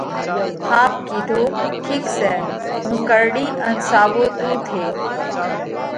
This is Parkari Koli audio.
ۿاپ ڪِيڌو: ٺِيڪ سئہ، هُون ڪرڙِيه ان ساوو تُون ٿي۔